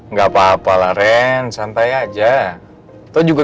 gak apa apa laren santai aja